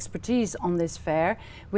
vì tôi nghĩ việt nam